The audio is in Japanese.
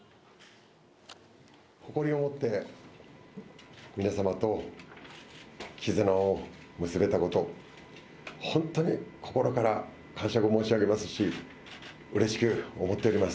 誇りを持って皆様と絆を結べたこと、本当に心から感謝申し上げますし、うれしく思っております。